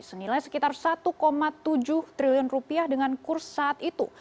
senilai sekitar satu tujuh triliun rupiah dengan kurs saat itu